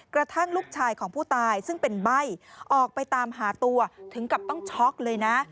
กระทั่งลูกชายของผู้ตายซึ่งเป็นใบ้ออกไปตามหาตัวถึงกับต้องช็อกเลยนะ